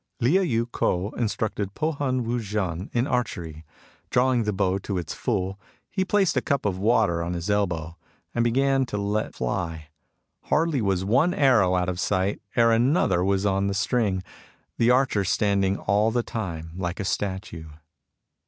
Lieh Yii K'ou instructed Po Hun Wu J^n in archery. Drawing the bow to its full, he placed a cup of water pn his ^Ibow and be^an to let 68 MUSINGS OF A CHINESE MYSTIC fly. Hardly was one arrow out of sight ere another was on the string, the archer standing all the time like a statue.